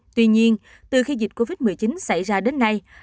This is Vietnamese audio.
tuy nhiên từ khi dịch covid một mươi chín xảy ra đến nay